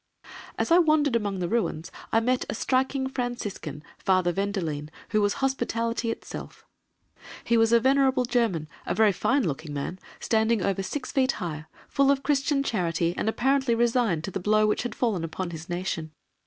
As I wandered among the ruins, I met a striking Franciscan, Father Vendelene, who was hospitality itself. He was a venerable German, a very fine looking man, standing over six feet high, full of Christian charity, and apparently resigned to the blow which had fallen upon his nation.